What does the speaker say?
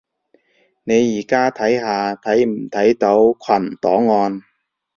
你而家睇下睇唔睇到群檔案